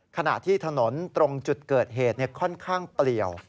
ขณะที่ถนนตรงจุดเกิดเหตุค่อนข้างเปลี่ยว